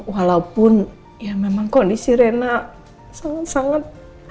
walaupun ya memang kondisi rena sangat sangat